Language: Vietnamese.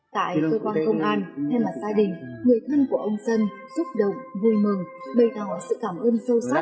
tại cơ quan công an thay mặt gia đình người thân của ông dân xúc động vui mừng bày tỏ sự cảm ơn sâu sắc